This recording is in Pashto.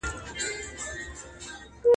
قلندر ته کار مهم د تربیت وو،